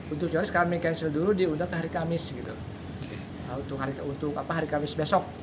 untuk jualan sekarang meng cancel dulu dihantar ke hari kamis untuk hari kamis besok